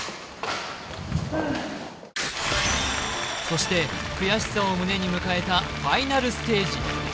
そして悔しさを胸に迎えたファイナルステージ